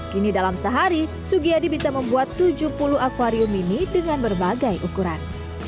kini dalam sehari sugi adi bisa membuat tujuh puluh akwarium ini dengan berbagai ukuran